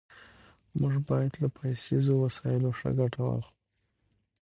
موږ بايد له پيسيزو وسايلو ښه ګټه واخلو.